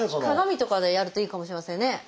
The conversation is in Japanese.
鏡とかでやるといいかもしれませんね。